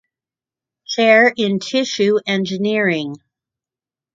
Chair in Tissue Engineering.